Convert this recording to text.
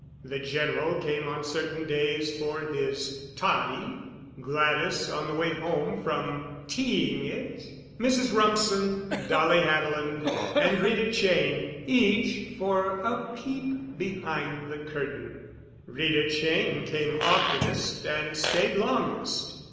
The General came on certain days for his "toddy," Gladys on the way home from "teaing it," Mrs. Rumsen, Dolly Haviland, and Rita Cheyne, each for a peep behind the curtain. Rita Cheyne came oftenest and stayed longest.